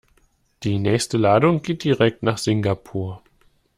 Die nächste Ladung geht direkt nach Singapur.